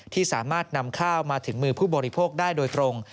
ที่สามารถนำข้าวมาถึงมือผู้บริโภคได้โดยตรง